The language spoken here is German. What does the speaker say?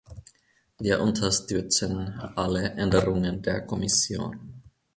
Wir unterstützen alle Änderungen der Kommission.